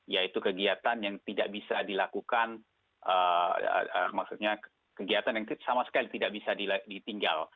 yaitu kegiatan yang tidak bisa dilakukan maksudnya kegiatan yang sama sekali tidak bisa ditinggal